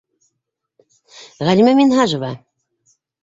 Ғәлимә Минһажева.